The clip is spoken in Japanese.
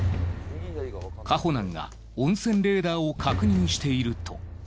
かほなんが温泉レーダーを確認していると。